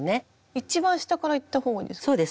一番下からいったほうがいいです？